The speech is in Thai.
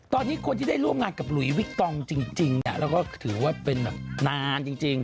ตอนนี้คนที่ได้ร่วมงานกับหลุยวิกตองจริงแล้วก็ถือว่าเป็นแบบนานจริง